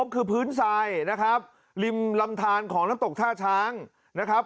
คือพื้นทรายนะครับริมลำทานของน้ำตกท่าช้างนะครับ